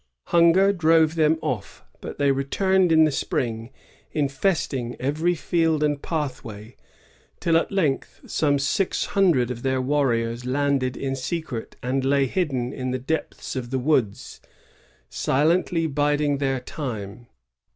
Hunger drove them off, but they returned in the spring, infesting eveiy field and pathway; tiU at length some six hundred of their warriors landed in secret and lay hidden in the depths of the woods, silently biding their time.